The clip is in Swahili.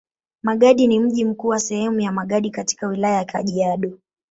Magadi ni mji mkuu wa sehemu ya Magadi katika Wilaya ya Kajiado.